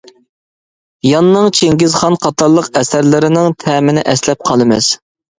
ياننىڭ «چىڭگىزخان» قاتارلىق ئەسەرلىرىنىڭ تەمىنى ئەسلەپ قالىمىز.